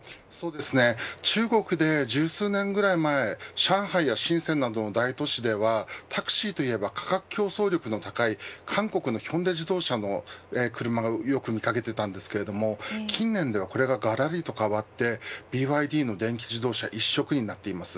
中国で１０数年ぐらい前上海や深センなどの大都市ではタクシーといえば価格競争力の高い韓国のヒョンデ自動車をよく見掛けていましたが近年ではこれががらりと変わってＢＹＤの電気自動車一色になっています。